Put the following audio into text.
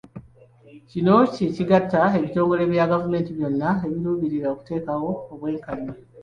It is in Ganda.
Kino kye kigatta ebitongole bya gavumenti byonna ebiruubirira okuteekawo obwenkanya.